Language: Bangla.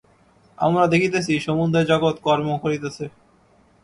আমরা দেখিতেছি সমুদয় জগৎ কর্ম করিতেছে।